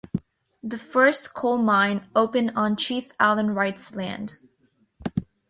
The first coal mine opened on Chief Allen Wright's land.